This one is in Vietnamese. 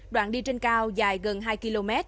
đoạn đi trên cao dài gần hai km